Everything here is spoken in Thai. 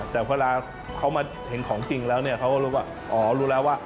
แต่เวลาเขามาเห็นของจริงแล้วเนี่ยเขาก็รู้ว่าอ๋อรู้แล้วว่า